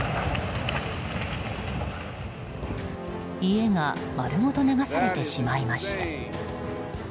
家が丸ごと流されてしまいました。